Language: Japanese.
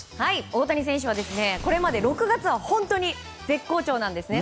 大谷選手はこれまで６月は本当に絶好調なんですね。